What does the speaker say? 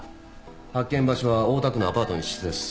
発見場所は大田区のアパートの一室です。